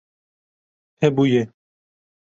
Hebûye